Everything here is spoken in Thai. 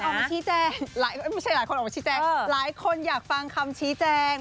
ออกมาชี้แจงไม่ใช่หลายคนออกมาชี้แจงหลายคนอยากฟังคำชี้แจง